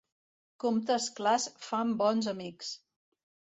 Comptes clars fan bons amics.